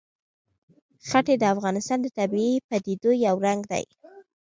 ښتې د افغانستان د طبیعي پدیدو یو رنګ دی.